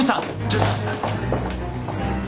ちょっと。